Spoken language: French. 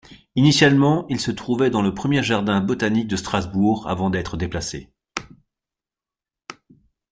Initialement, il se trouvait dans le premier jardin botanique de Strasbourg, avant d'être déplacé.